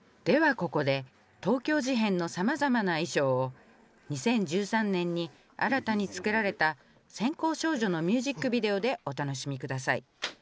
ではここで東京事変のさまざまな衣装を２０１３年に新たに作られた「閃光少女」のミュージックビデオでお楽しみ下さい。